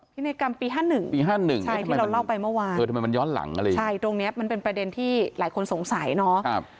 พินัยกรรมปี๕๑ที่เราเล่าไปเมื่อวานตรงนี้มันเป็นประเด็นที่หลายคนสงสัยเนาะ